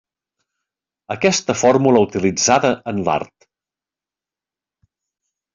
Aquesta fórmula utilitzada en l’art.